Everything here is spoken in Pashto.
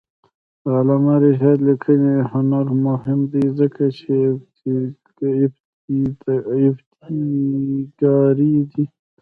د علامه رشاد لیکنی هنر مهم دی ځکه چې ابتکاري دی.